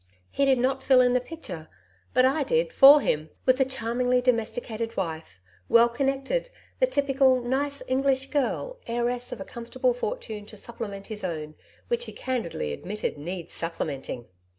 He did not fill in the picture but I did for him with the charmingly domesticated wife well connected: the typical "nice English Girl," heiress of a comfortable fortune to supplement his own, which he candidly admitted needs supplementing.